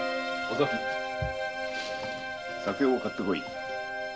酒を買ってこい。